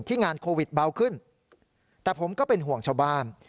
งานโควิดเบาขึ้นแต่ผมก็เป็นห่วงชาวบ้าน